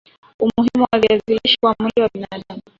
Umuhimu wa viazi lishe kwa mwili wa mwanadam